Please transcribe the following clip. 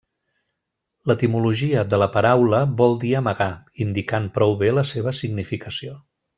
L'etimologia de la paraula vol dir 'amagar', indicant prou bé la seva significació.